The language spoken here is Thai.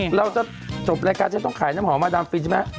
เราจะจบรายการฉันต้องขายน้ำหอมมาดามฟินใช่ไหม